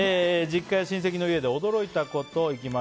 実家や親戚の家で驚いたこと。